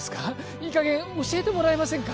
いい加減教えてもらえませんか？